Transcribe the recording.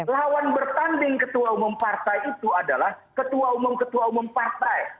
lawan bertanding ketua umum partai itu adalah ketua umum ketua umum partai